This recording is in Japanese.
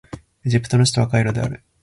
エジプトの首都はカイロである